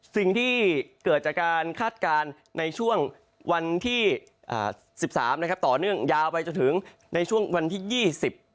สิ่งที่เกิดจากคาดการณ์ในช่วงวันที่๑๓ต่อเนื่องยาวไปจะถึงในช่วงวันที่๒๐